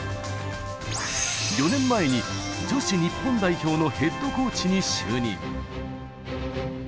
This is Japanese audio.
４年前に女子日本代表のヘッドコーチに就任。